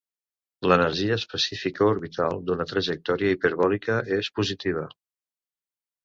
L'energia específica orbital d'una trajectòria hiperbòlica és positiva.